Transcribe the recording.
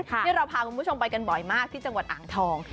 ที่เราพาคุณผู้ชมไปกันบ่อยมากที่จังหวัดอ่างทอง